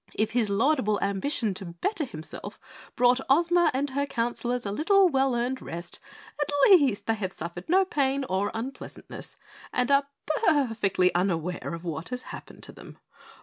If his laudable ambition to better himself brought Ozma and her counselors a little well earned rest, at least they have suffered no pain or unpleasantness, and are perfectly unaware of what has happened to them.